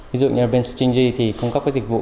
ví dụ như bên stringy thì cung cấp cái dịch vụ